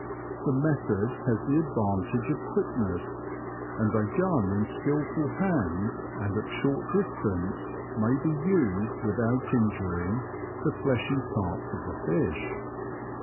The method has the advantage of quickness, and a gun in skilful hands and at short distance may be used without injuring the fleshy parts of the fish.